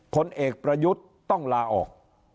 ผลเอกประยุทธ์ต้องลาออก